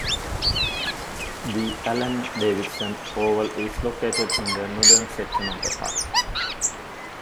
The Alan Davidson Oval is located in the northern section of the park.